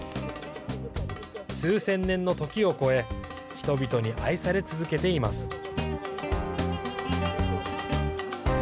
数千年の時を超え人々に愛され続けています。